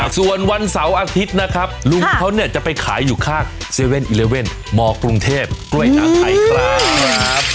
ส่วนวันเสาร์อาทิตย์นะครับลุงเขาเนี่ยจะไปขายอยู่ข้าง๗๑๑มกรุงเทพกล้วยน้ำไทยครับ